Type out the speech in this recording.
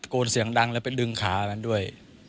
นเสียงดังแล้วไปดึงขามันด้วย